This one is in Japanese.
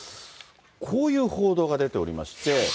こういう報道が出ておりまして。